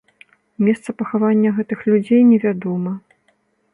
Месца пахавання гэтых людзей невядома.